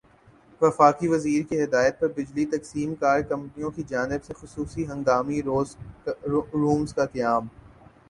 وفاقی وزیر کی ہدایت پر بجلی تقسیم کار کمپنیوں کی جانب سےخصوصی ہنگامی رومز کا قیام